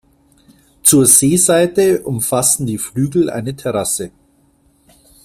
Zur Seeseite umfassen die Flügel eine Terrasse.